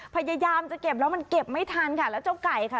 พยายามจะเก็บแล้วมันเก็บไม่ทันค่ะแล้วเจ้าไก่ค่ะ